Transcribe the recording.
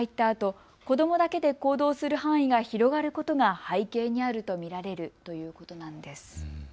あと子どもだけで行動する範囲が広がることが背景にあると見られるということなんです。